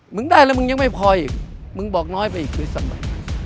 มึงได้แล้วมึงยังไม่พออีกมึงบอกน้อยไปอีกคือสมัย